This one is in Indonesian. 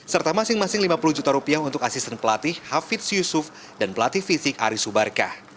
serta masing masing lima puluh juta rupiah untuk asisten pelatih hafidz yusuf dan pelatih fisik aris subarkah